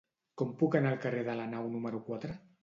Com puc anar al carrer de la Nau número quatre?